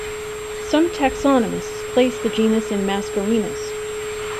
Some taxonomists place the genus in "Mascarinus".